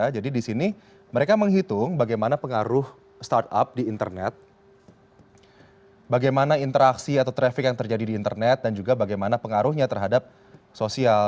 jadi di sini mereka menghitung bagaimana pengaruh startup di internet bagaimana interaksi atau traffic yang terjadi di internet dan juga bagaimana pengaruhnya terhadap sosial